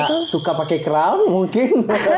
karena suka pakai kerang mungkin